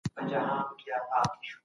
شرف هغه چاته رسیږي چي پاک ژوند ولري.